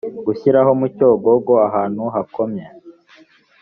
gushyiraho mu cyogogo ahantu hakomye